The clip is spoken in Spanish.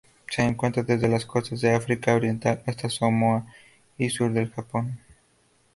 Se encuentra desde las costas del África Oriental hasta Samoa y sur del Japón.